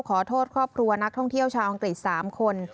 ขอโทษครอบครัวนักท่องเที่ยวชาวอังกฤษ๓คน